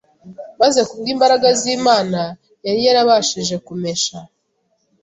maze kubw'imbaraga z'Imana, yari yarabashije kumesha